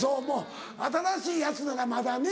新しいやつならまだね。